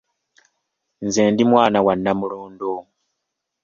Nze ndi mwana wa Namulondo.